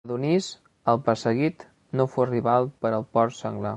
Adonis, el perseguit, no fou rival per al porc senglar.